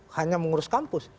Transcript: hanya mengurus kampus